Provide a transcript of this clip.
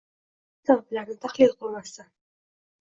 kambag‘allik sabablarini tahlil qilmasdan